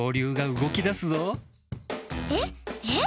えっ？えっ？